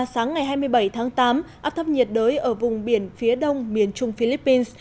sáng ngày hai mươi bảy tháng tám áp thấp nhiệt đới ở vùng biển phía đông miền trung philippines